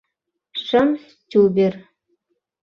ШЫМ СТЮБЕР